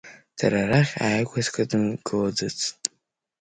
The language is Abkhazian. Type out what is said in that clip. Дара рахь ааигәа скыдымгылаӡацт…